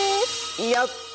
やった！